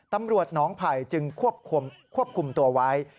ตำรวจหนองไผ่จึงควบคุมตัวไว้